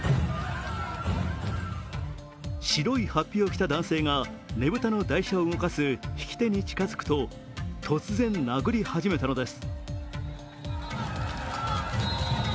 白い法被を着た男性がねぶたの台車を動かす曳き手に近づくと突然殴り始めたのです。